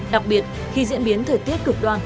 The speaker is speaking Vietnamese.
đặc biệt khi diễn biến thời tiết cực đoan